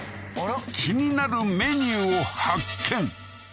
気になるメニューを発見